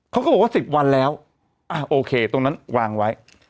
เขาก็บอกว่า๑๐วันแล้วอ่ะโอเคตรงนั้นวางไว้